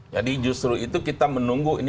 jadi justru itu kita menunggu